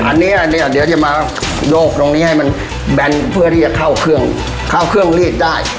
อันนี้เนี่ยเดี๋ยวจะมาโยกตรงนี้ให้มันแบนเพื่อที่จะเข้าเครื่องเข้าเครื่องรีดได้